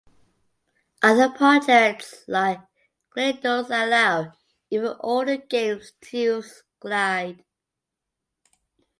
Other projects like Glidos allow even older games to use Glide.